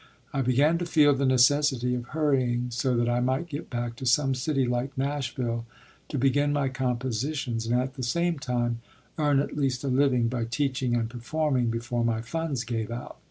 I began to feel the necessity of hurrying so that I might get back to some city like Nashville to begin my compositions and at the same time earn at least a living by teaching and performing before my funds gave out.